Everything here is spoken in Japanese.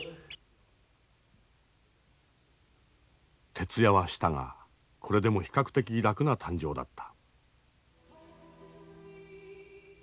徹夜はしたがこれでも比較的楽な誕生だった。